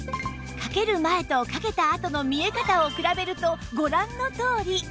かける前とかけたあとの見え方を比べるとご覧のとおり